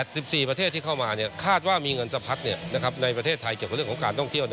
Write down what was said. สิบสี่ประเทศที่เข้ามาคาดว่ามีเงินสะพัดในประเทศไทยเกี่ยวกับเรื่องของการท่องเที่ยว